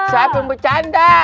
siapa yang bercanda